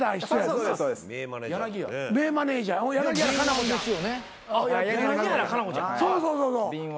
そうそうそうそう。